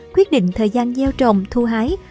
quyết định thời gian gieo trồng thu hái